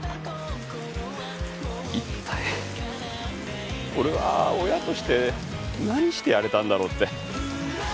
一体俺は親として何してやれたんだろうって。